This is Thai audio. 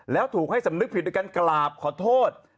แล้วถูกให้สำนึกผิดโดยการกราบขอโทษ